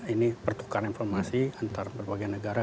ini pertukaran informasi antar berbagai negara